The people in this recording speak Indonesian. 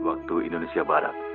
waktu indonesia barat